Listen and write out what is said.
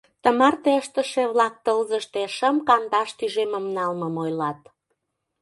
Тымарте ыштыше-влак тылзыште шым-кандаш тӱжемым налмым ойлат.